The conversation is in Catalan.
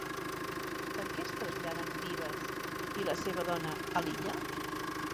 Per què es traslladen Vives i la seva dona a Lilla?